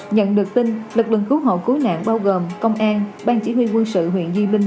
nhận được tin lực lượng cứu hộ cứu nạn bao gồm công an bang chỉ huy quân sự huyện di linh